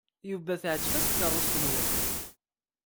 Yuba teɛjeb-as tkeṛṛust-nwen.